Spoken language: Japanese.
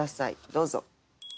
どうぞ。